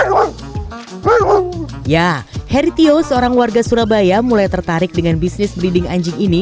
hai heritio seorang warga surabaya mulai tertarik dengan bisnis breeding anjing ini